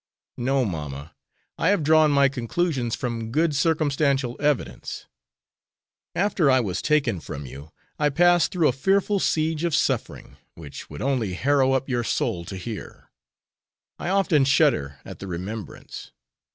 "No, mamma; I have drawn my conclusions from good circumstantial evidence. After I was taken from you, I passed through a fearful siege of suffering, which would only harrow up your soul to hear. I often shudder at the remembrance.